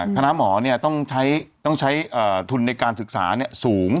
คณะหมอต้องใช้ทุนในการศึกษาสูง